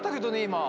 今。